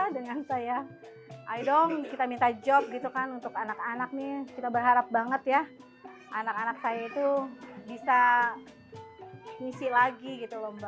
dengan saya ayo dong kita minta job gitu kan untuk anak anak nih kita berharap banget ya anak anak saya itu bisa ngisi lagi gitu loh mbak